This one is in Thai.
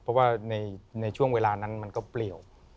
เพราะว่าในช่วงเวลานั้นมันก็เปลี่ยว